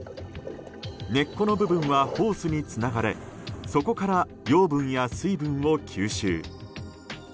根っこの部分はホースにつながれそこから養分や水分を吸収。